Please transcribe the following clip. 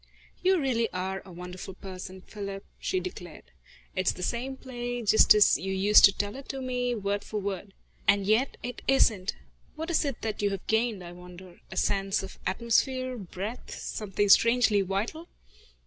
"You really are a wonderful person, Philip," she declared. "It's the same play, just as you used to tell it me, word for word. And yet it isn't. What is it that you have gained, I wonder? a sense of atmosphere, breadth, something strangely vital."